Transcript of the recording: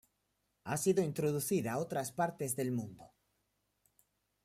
Ha sido introducida a otras partes del mundo.